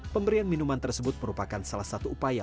pemberian minuman tersebut merupakan salah satu upaya